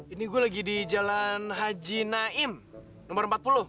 ini gue lagi di jalan haji naim nomor empat puluh